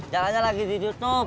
jalannya lagi di youtube